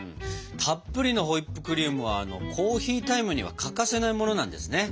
たっぷりのホイップクリームはコーヒータイムには欠かせないものなんですね。